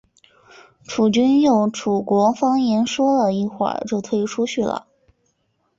楚军用楚国方言说了一会就退出去了。